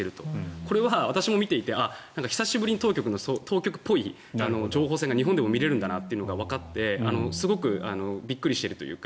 これは私も見ていて久しぶりに当局っぽい情報戦が日本でも見れるんだなというのがわかってすごくびっくりしているというか